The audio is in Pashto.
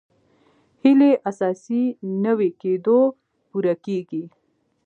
هیلې اساسي نوي کېدو پوره کېږي.